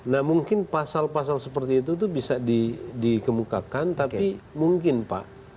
nah mungkin pasal pasal seperti itu bisa dikemukakan tapi mungkin pak